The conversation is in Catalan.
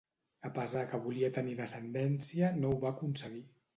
A pesar que volia tenir descendència, no ho va aconseguir.